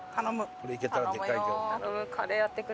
これいけたらでかいよ。